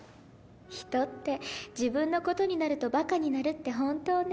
人って自分のことになるとバカになるって本当ね。